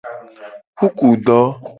Kukudo.